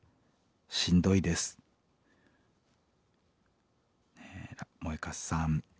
しんどいです」。もえかすさん